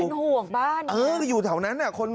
เป็นห่วงบ้านอยู่แถวนั้น